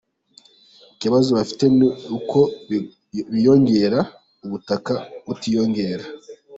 Ikibazo bafite ni uko biyongera, ubutaka butiyongera.